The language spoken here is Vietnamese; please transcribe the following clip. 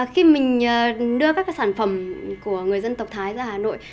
khi mình đưa các cái sản phẩm của người dân tộc thái ra hà nội